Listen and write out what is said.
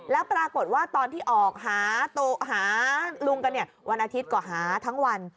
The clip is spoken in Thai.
แล้วปรากฏว่าตอนที่ออกหาลุงกันเนี่ยวันอาทิตย์ก็หาทั้งวัน